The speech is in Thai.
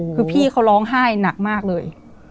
คือพี่เขาร้องไห้หนักมากเลย